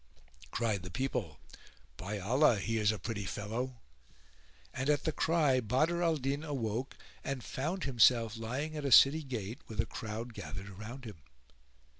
Cried the people, "By Allah he is a pretty fellow!"; and at the cry Badr al din awoke and found himself lying at a city gate with a crowd gathered around him.